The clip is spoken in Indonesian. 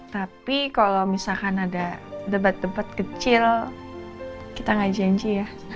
tapi kalau misalkan ada debat debat kecil kita gak janji ya